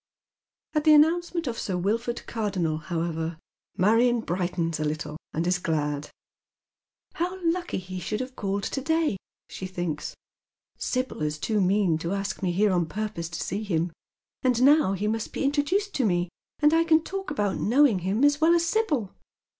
At the announcement of Sir Wilford Cardonnel however, Marion brightens a little, and is glad. " How lucky he should have called to day !" she thinks, " Sibyl is too mean to ask me here on purpose to see him, and now he must be introduced to me and I can talk about knowing iiim as well as Sibyl.